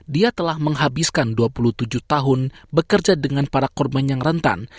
dia telah menghabiskan dua puluh tujuh tahun bekerja dengan para korban yang rentan